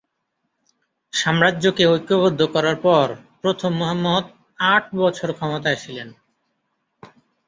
সাম্রাজ্যকে ঐক্যবদ্ধ করার পর প্রথম মুহাম্মদ আট বছর ক্ষমতায় ছিলেন।